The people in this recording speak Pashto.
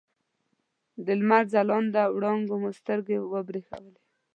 د لمر ځلانده وړانګو مو سترګې برېښولې.